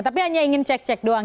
tapi hanya ingin cek cek doang